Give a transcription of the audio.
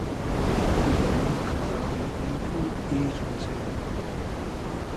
بئلې کارای دیل خو ایر میزنوم